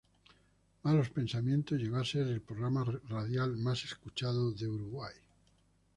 Malos Pensamientos llegó a ser el programa radial más escuchado de Uruguay.